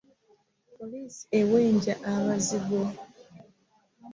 Poliisi ewenja abazigu.